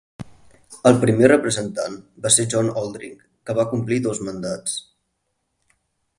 El primer representant va ser John Oldring, que va complir dos mandats.